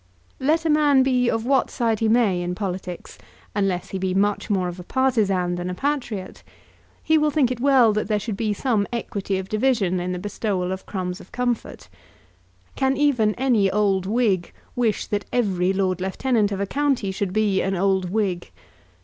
Let a man be of what side he may in politics, unless he be much more of a partisan than a patriot, he will think it well that there should be some equity of division in the bestowal of crumbs of comfort. Can even any old Whig wish that every Lord Lieutenant of a county should be an old Whig?